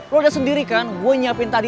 lo udah sendiri kan gue nyiapin tadi